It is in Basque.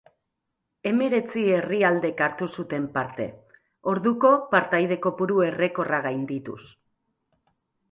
Hemeretzi herrialdek hartu zuten parte, orduko partaide kopuru errekorra gaindituz.